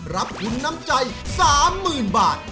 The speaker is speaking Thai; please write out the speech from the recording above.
รับทุนน้ำใจ๓๐๐๐บาท